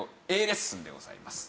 レッスンでございます。